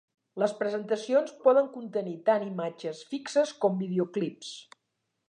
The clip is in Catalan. Les presentacions poden contenir tant imatges fixes com videoclips.